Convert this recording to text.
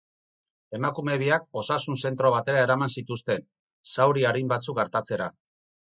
Emakume biak osasun-zentro batera eraman zituzten, zauri arin batzuk artatzera.